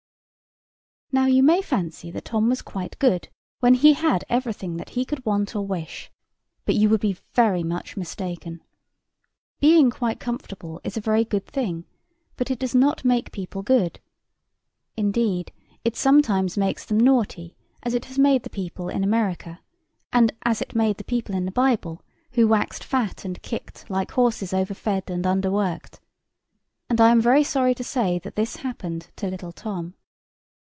Now you may fancy that Tom was quite good, when he had everything that he could want or wish: but you would be very much mistaken. Being quite comfortable is a very good thing; but it does not make people good. Indeed, it sometimes makes them naughty, as it has made the people in America; and as it made the people in the Bible, who waxed fat and kicked, like horses overfed and underworked. And I am very sorry to say that this happened to little Tom.